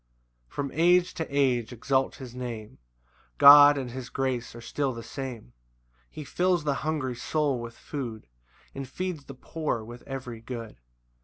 1 From age to age exalt his Name, God and his grace are still the same; He fills the hungry soul with food, And feeds the poor with every good.